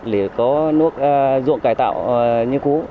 để có nước ruộng cải tạo như cũ